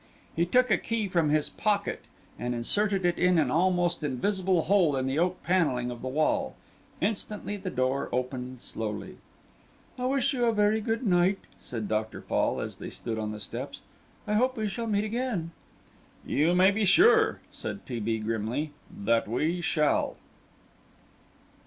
He took a key from his pocket and inserted it in an almost invisible hole in the oak panelling of the hall; instantly the door opened slowly. "I wish you a very good night," said Doctor Fall, as they stood on the steps. "I hope we shall meet again." "You may be sure," said T. B. Smith, grimly, "that we shall."